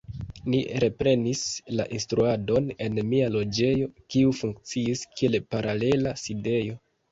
Ni reprenis la instruadon en mia loĝejo, kiu funkciis kiel paralela sidejo.